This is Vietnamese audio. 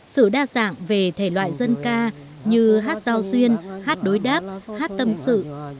sự đa dạng về thể loại dân ca như hát giao duyên hát đối đáp hát tâm sự